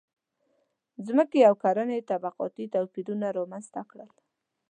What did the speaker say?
• ځمکې او کرنې طبقاتي توپیرونه رامنځته کړل.